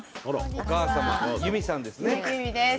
お母様由美さんですね。